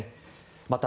また、